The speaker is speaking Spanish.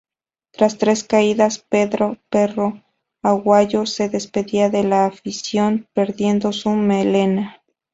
Tras tres caídas, Pedro "Perro" Aguayo se despedía de la afición perdiendo su melena.